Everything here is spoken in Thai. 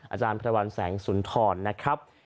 อาจารย์พระวันแสงสุนทรนะครับ